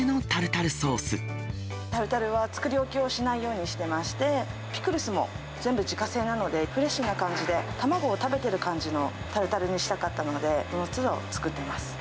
タルタルは作り置きをしないようにしていまして、ピクルスも全部自家製なので、フレッシュな感じで、卵を食べてる感じのタルタルにしたかったので、そのつど、作っています。